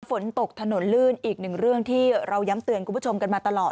ฝนตกถนนลื่นอีกหนึ่งเรื่องที่เราย้ำเตือนคุณผู้ชมกันมาตลอด